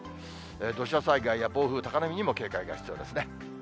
土砂災害や暴風、高波にも警戒が必要ですね。